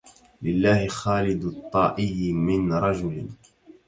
لله خالد الطائي من رجل